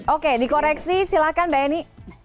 oke di koreksi silahkan mbak eni